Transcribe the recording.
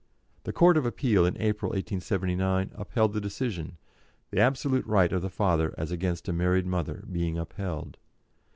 The Court of Appeal in April, 1879, upheld the decision, the absolute right of the father as against a married mother being upheld.